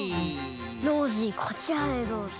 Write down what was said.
ノージーこちらへどうぞ。